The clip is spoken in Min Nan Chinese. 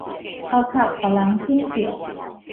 頭殼予人舂著